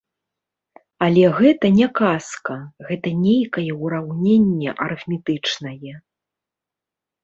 Але гэта не казка, гэта нейкае ўраўненне арыфметычнае.